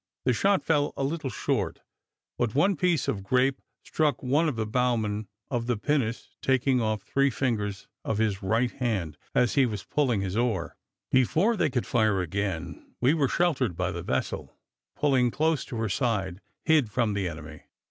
The shot fell a little short, but one piece of grape struck one of the bowmen of the pinnace, taking off three fingers of his right hand as he was pulling his oar. Before they could fire again, we were sheltered by the vessel, pulling close to her side, hid from the enemy.